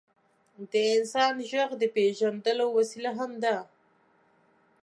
د انسان ږغ د پېژندلو وسیله هم ده.